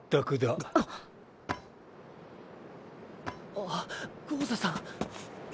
あっゴウザさん。